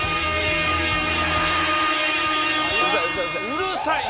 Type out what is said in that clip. うるさい！